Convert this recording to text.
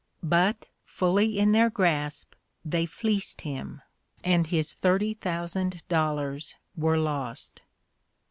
But, fully in their grasp, they fleeced him; and his thirty thousand dollars were lost.